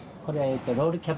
これは。